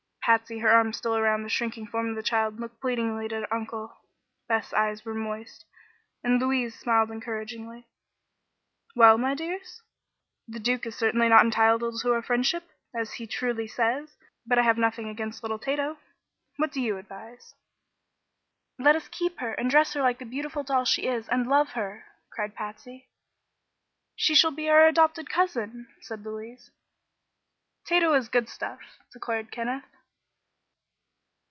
Patsy, her arms still around the shrinking form of the child, looked pleadingly at her uncle. Beth's eyes were moist and Louise smiled encouragingly. "Well, my dears? The Duke is certainly not entitled to our friendship, as he truly says; but I have nothing against little Tato. What do you advise?" "Let us keep her, and dress her like the beautiful doll she is, and love her!" cried Patsy. "She shall be our adopted cousin," said Louise. "Tato is good stuff!" declared Kenneth.